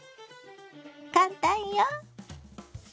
簡単よ！